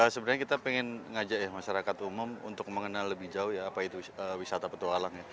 sebenarnya kita ingin mengajak masyarakat umum untuk mengenal lebih jauh apa itu wisata petualang